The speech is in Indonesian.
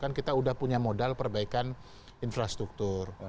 kan kita sudah punya modal perbaikan infrastruktur